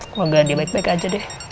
semoga dia baik baik aja deh